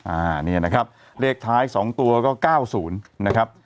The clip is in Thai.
อ่าเนี่ยนะครับเลขท้ายสองตัวก็เก้าศูนย์นะครับ